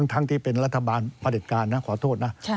ทั้งที่เป็นรัฐบาลผลิตการนะขอโทษนะ